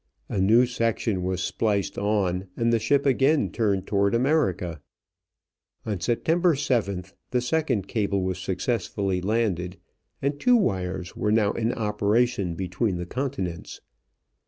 A new section was spliced on and the ship again turned toward America. On September 7th the second cable was successfully landed, and two wires were now in operation between the continents.